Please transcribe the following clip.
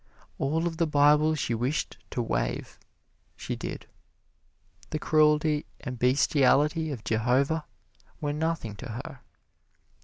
All of the Bible she wished to waive, she did. The cruelty and bestiality of Jehovah were nothing to her.